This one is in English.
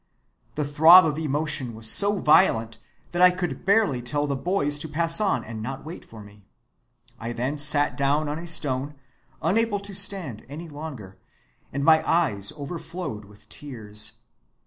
The throb of emotion was so violent that I could barely tell the boys to pass on and not wait for me. I then sat down on a stone, unable to stand any longer, and my eyes overflowed with tears.